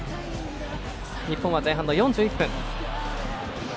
日本は前半４１分。